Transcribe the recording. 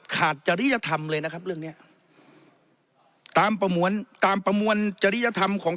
จริยธรรมเลยนะครับเรื่องเนี้ยตามประมวลตามประมวลจริยธรรมของ